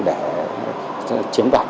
để chiếm đoạt